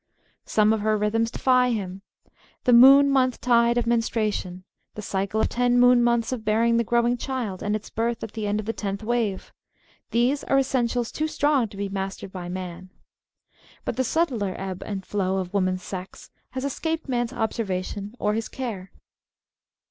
Some of her rhythms defy him — the moon month tide of men struation, the cycle of ten moon months of bearing the growing child and its birth at the end of the tenth wave — these are essentials too strong to be mastered by itnan. But the subtler ebb and flow of woman's sex H has escaped man's observation or his care.